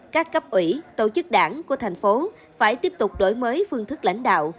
các cấp ủy tổ chức đảng của thành phố phải tiếp tục đổi mới phương thức lãnh đạo